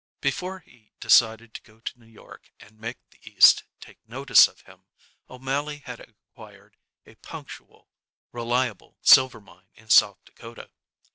Before he decided to go to New York and make the East take notice of him, O'Mally had acquired a punctual, reliable silver mine in South Dakota.